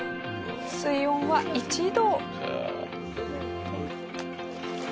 水温は１度。